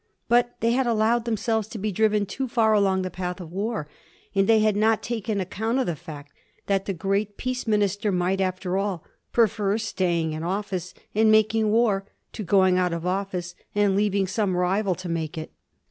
But they had allowed them selves to be driven too far along the path of war; and they had not taken account of the fact that the great peace Minister might, after all, prefer staying in office and mak ing war to going out of office and leaving some rival to make it.